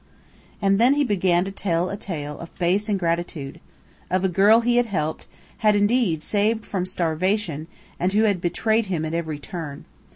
And then he began to tell a tale of base ingratitude of a girl he had helped, had indeed saved from starvation and who had betrayed him at every turn.